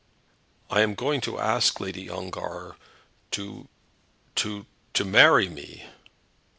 "I am going to ask Lady Ongar to to to marry me."